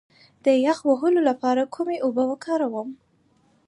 د یخ وهلو لپاره کومې اوبه وکاروم؟